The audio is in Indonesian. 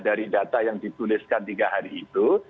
dari data yang dituliskan tiga hari itu